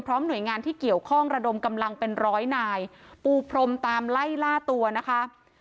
หน่วยงานที่เกี่ยวข้องระดมกำลังเป็นร้อยนายปูพรมตามไล่ล่าตัวนะคะ